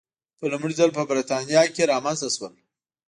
په لومړي ځل په برېټانیا کې رامنځته شول.